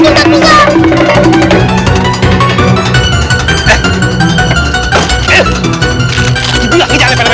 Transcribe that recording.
eh gimana kalau kita nempelnya tempat bergerak aja tempat bergerak